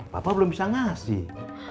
bapak belum bisa ngasih